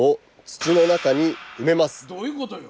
どうゆうことよ。